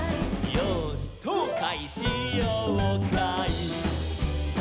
「よーしそうかいしようかい」